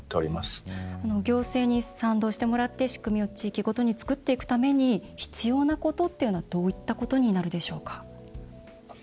行政に賛同してもらって仕組みを地域ごとに作っていくために必要なことはどういったことになるでしょうか。